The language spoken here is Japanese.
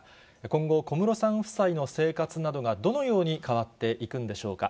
今後、小室さん夫妻の生活などがどのように変わっていくんでしょうか。